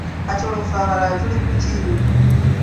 Kati olwo ffe abalala tuli ku ki?